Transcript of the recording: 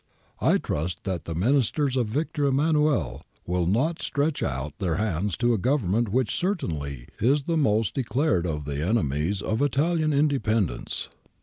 I trust that the Ministers of Victor Emmanuel will not stretch out their hands to a Government which certainly is the most de clared of the enemies of Italian independence.'